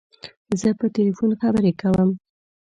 زه په تلیفون خبری کوم.